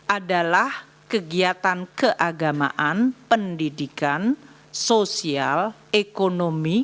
adalah kegiatan keagamaan pendidikan sosial ekonomi